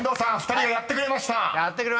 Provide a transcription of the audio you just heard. ２人がやってくれました］